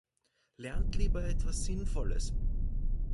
Lernt lieber etwas Sinnvolles!